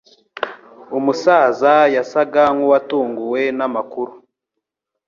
Umusaza yasaga nkuwatunguwe namakuru.